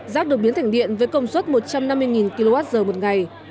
rác được biến thành điện với công suất một trăm năm mươi kwh một ngày